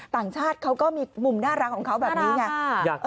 ต่างชาติเขาก็มีมุมน่ารักของเขาแบบนี้ไง